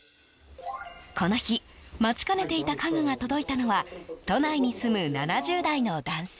この日、待ちかねていた家具が届いたのは都内に住む７０代の男性。